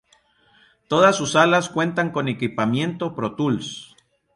Todas sus salas cuentan con equipamiento Pro Tools.